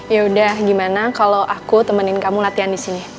yaudah gimana kalau aku temenin kamu latihan disini